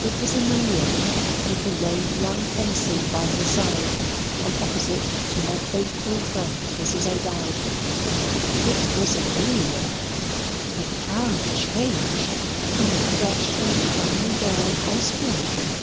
It was Amelia, with the lame young Ensign by her side, and opposite to her her faithful friend Mrs. O'Dowd. It was Amelia, but how changed from the fresh and comely girl Osborne knew.